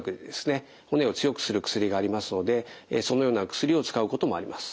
骨を強くする薬がありますのでそのような薬を使うこともあります。